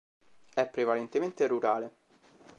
È prevalentemente rurale.